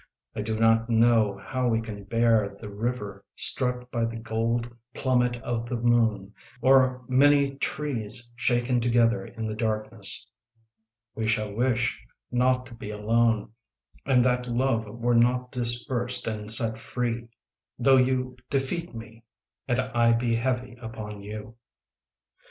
I do not know how we can bear The river struck by the gold plummet of the moon, Or many trees shaken together in the darkness. We shall wish not to be alone And that love were not dispersed and set free â Though you defeat me, And I be heavy upon you.